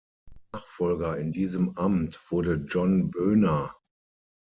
Nachfolger in diesem Amt wurde John Boehner.